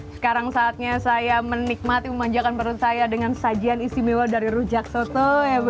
sekarang saatnya saya menikmati memanjakan perut saya dengan sajian istimewa dari rujak soto